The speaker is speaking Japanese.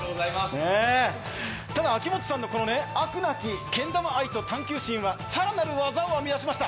ただ秋元さんの飽くなきけん玉愛と探究心は更なる技を編み出しました。